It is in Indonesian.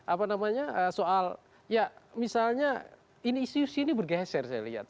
apa namanya soal ya misalnya ini isu isu ini bergeser saya lihat